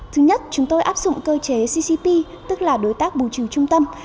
thứ nhất chúng tôi áp dụng cơ chế ccp tức là đối tác bù trừ trung tâm